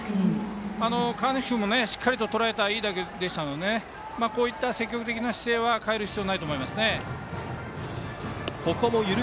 河西君も、しっかりととらえたいい打球でしたのでこういった積極的な姿勢は変える必要はないと思います。